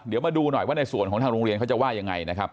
เดี๋ยวมาดูหน่อยว่าในส่วนของทางโรงเรียนเขาจะว่ายังไงนะครับ